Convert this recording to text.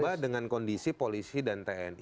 ditambah dengan kondisi polisi dan tni banyak